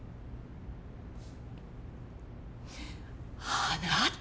あなた。